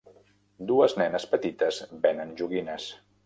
Dues nenes petites venen joguines.